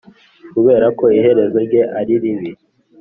kuberako iherezo rye ariribi